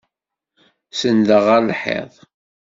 Senndeɣ ɣer lḥiḍ.